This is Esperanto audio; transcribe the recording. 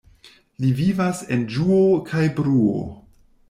Li vivas en ĝuo kaj bruo.